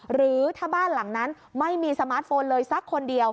หรือถ้าบ้านหลังนั้นไม่มีสมาร์ทโฟนเลยสักคนเดียว